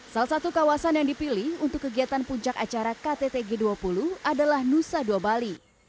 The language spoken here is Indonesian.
salah satu kawasan yang dipilih untuk kegiatan puncak acara kttg dua puluh adalah nusa dua bali